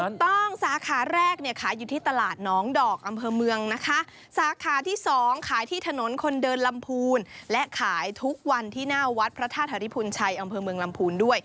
สาขาแรกเนี่ยขายอยู่ที่ตลาดน้องดอกอำเภอเมืองนะคะสาขาที่สองขายที่ถนนคนเดินลำพูนและขายทุกวันที่หน้าวัดพระธาตุธริพุนชัยอำเภอเมืองลำพูนด้วย